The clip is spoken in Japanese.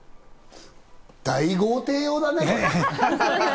大豪邸用だね。